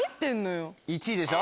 １位でしょ？